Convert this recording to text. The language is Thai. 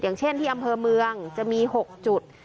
อย่างเช่นที่อำเภอเมืองจะมี๖จุด